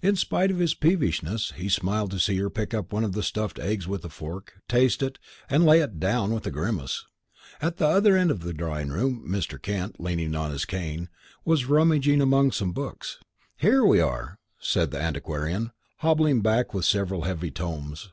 In spite of his peevishness, he smiled to see her pick up one of the stuffed eggs on a fork, taste it, and lay it down with a grimace. At the other end of the drawing room Mr. Kent, leaning on his cane, was rummaging among some books. "Here we are," said the antiquarian, hobbling back with several heavy tomes.